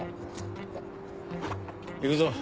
行くぞ。